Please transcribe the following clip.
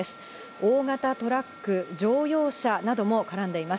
大型トラック、乗用車なども絡んでいます。